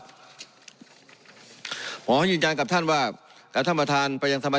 เพราะมองให้ยืนการกับท่านว่ากระทรวงประทานพยังสมัย